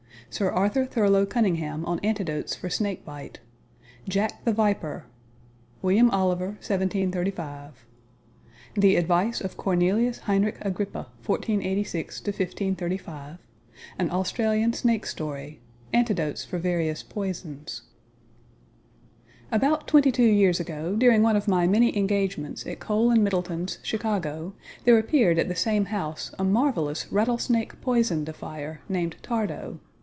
SIR ARTHUR THURLOW CUNYNGHAME ON ANTIDOTES FOR SNAKE BITE. JACK THE VIPER. WILLIAM OLIVER, 1735. THE ADVICE OF CORNELIUS HEINRICH AGRIPPA, (1486 1535). AN AUSTRALIAN SNAKE STORY. ANTIDOTES FOR VARIOUS POISONS. About twenty two years ago, during one of my many engagements at Kohl and Middleton's, Chicago, there appeared at the same house a marvelous "rattle snake poison defier" named Thardo.